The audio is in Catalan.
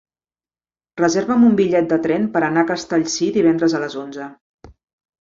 Reserva'm un bitllet de tren per anar a Castellcir divendres a les onze.